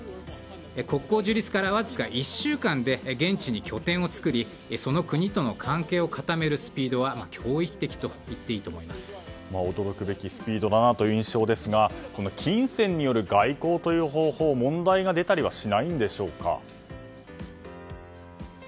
国交樹立からわずか１週間で現地に拠点を作りその国との関係を固めるスピードは驚くべきスピードだという印象ですが金銭による外交という方法は問題が出たりはしないんでしょうか。